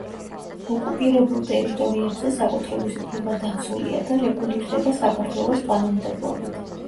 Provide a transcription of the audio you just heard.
ოკუპირებულ ტერიტორიებზე საკუთრების უფლება დაცულია და რეგულირდება საქართველოს კანონმდებლობით.